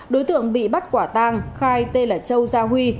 đối tượng bị bắt quả tang khai tên là châu gia huy